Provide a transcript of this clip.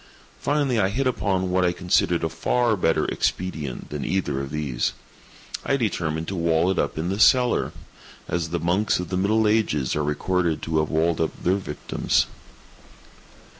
Finally I hit upon what I considered a far better expedient than either of these. I determined to wall it up in the cellar—as the monks of the middle ages are recorded to have walled up their victims.